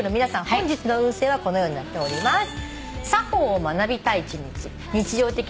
本日の運勢はこのようになっております。